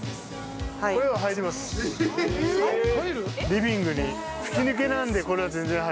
リビングに。